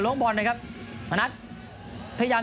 ส่วนที่สุดท้ายส่วนที่สุดท้าย